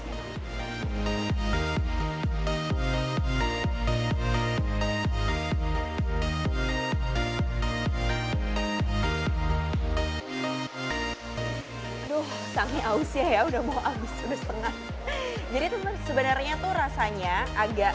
aduh sangi aus ya udah mau habis udah setengah jadi sebenarnya tuh rasanya agak